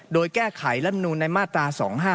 โดยแก้ไขลำนูลในมาตรา๒๕๖